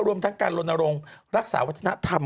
รวมทั้งการลนรงค์รักษาวัฒนธรรม